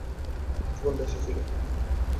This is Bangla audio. কিছু গুন্ডা এসেছিলো।